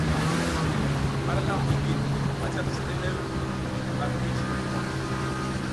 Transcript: Ara lam vigid ba cam cebelew ba ngi ji kotokom.